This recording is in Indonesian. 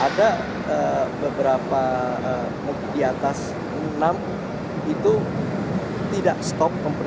ada beberapa di atas enam itu tidak stop completely